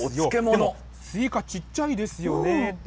でもスイカ、ちっちゃいですよねって。